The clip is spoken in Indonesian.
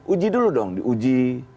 uji dulu dong diuji